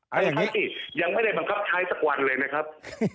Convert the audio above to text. อันนี้ยังไม่ได้บังคับใช้สักวันเลยนะครับ